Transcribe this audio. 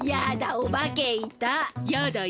おばけいた。